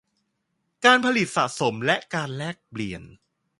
การผลิต สะสม และการแลกเปลี่ยน